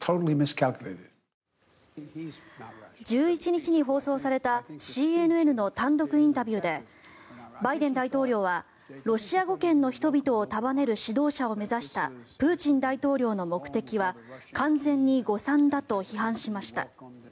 １１日に放送されたＣＮＮの単独インタビューでバイデン大統領はロシア語圏の人々を束ねる指導者を目指したプーチン大統領の目的は完全に誤算だと批判しました。